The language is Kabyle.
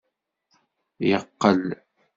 Yeqqel.